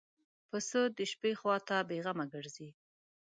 پسه د شپې خوا ته بېغمه ګرځي.